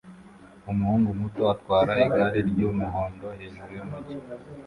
umuhungu muto atwara igare ry'umuhondo hejuru yumujyi